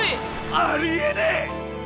ありえねぇ！